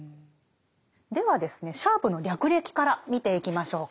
ではですねシャープの略歴から見ていきましょうか。